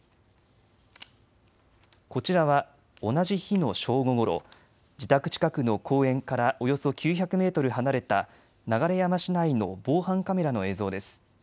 こちらは同じ日の正午ごろ、自宅近くの公園からおよそ９００メートル離れた流山市内の防犯カメラの映像です。